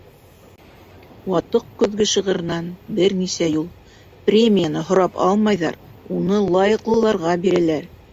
«Ватыҡ көҙгө» шиғырынан бер нисә юл: Премияны һорап алмайҙар, уны лайыҡлыларға бирәләр.